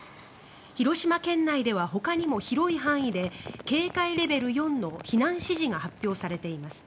広島県内ではほかにも広い範囲で警戒レベル４の避難指示が発表されています。